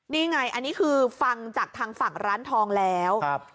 นี่ไงอันนี้คือฟังจากทางฝั่งร้านทองแล้ว